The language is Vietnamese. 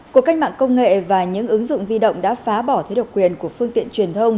cuộc cách mạng công nghệ và những ứng dụng di động đã phá bỏ thế độc quyền của phương tiện truyền thông